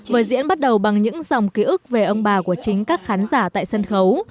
vở diễn bắt đầu bằng những dòng ký ức về ông bà của chính các khán giả tại sân khấu